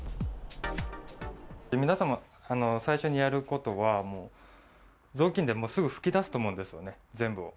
皆様が最初にやることは、雑巾でもうすぐ拭きだすと思うんですよね、全部を。